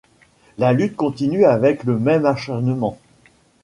La lutte continue avec le même acharnement.